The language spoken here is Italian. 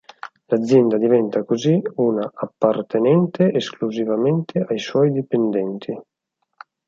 L'azienda diventa così una appartenente esclusivamente ai suoi dipendenti.